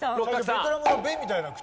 ベトナムの「ベ」みたいな口。